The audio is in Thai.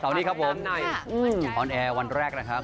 เสารนนี้ครับผมฮอนแอวันแรกนะครับ